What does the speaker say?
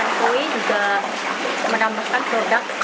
untuk produk layanan pembuatan kolam